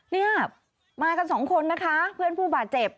เนี่ยมากันสองคนนะคะเพื่อนผู้บาดเจ็บ